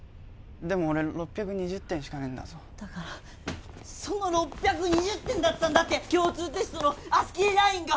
でも俺６２０点しかねえんだぞだからその６２０点だったんだって共通テストの足切りラインが！